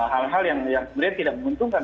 hal hal yang kemudian tidak menguntungkan